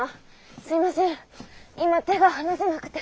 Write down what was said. すいません今手が離せなくて。